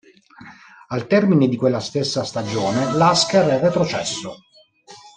Al termine di quella stessa stagione, l'Asker è retrocesso.